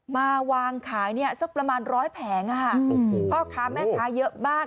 มาวางขายเนี่ยสักประมาณร้อยแผงพ่อค้าแม่ค้าเยอะมาก